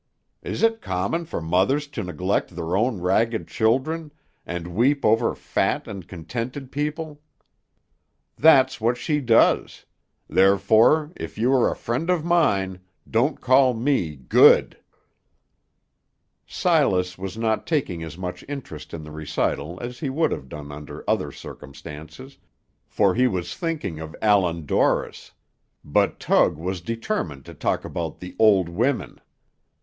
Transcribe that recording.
Is it common for mothers to neglect their own ragged children, and weep over fat and contented people? That's what she does; therefore, if you are a friend of mine, don't call me Good." Silas was not taking as much interest in the recital as he would have done under other circumstances, for he was thinking of Allan Dorris; but Tug was determined to talk about the "old womern."